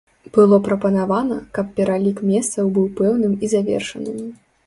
Было прапанавана, каб пералік месцаў быў пэўным і завершаным.